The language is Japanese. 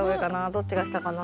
どっちがしたかな？